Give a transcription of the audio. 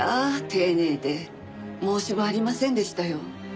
丁寧で申し分ありませんでしたよ。